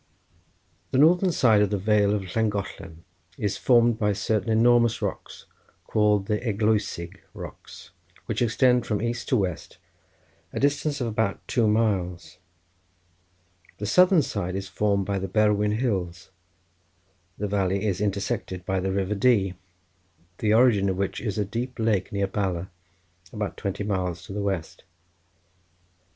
The northern side of the vale of Llangollen is formed by certain enormous rocks, called the Eglwysig rocks, which extend from east to west, a distance of about two miles. The southern side is formed by the Berwyn hills. The valley is intersected by the River Dee, the origin of which is a deep lake near Bala, about twenty miles to the west.